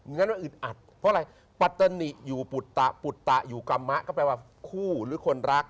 เพราะอะไรปัจจนิอยู่ปุตตะปุตตะอยู่กรรมะก็แปลว่าคู่หรือคนรัก